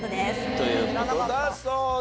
という事だそうです。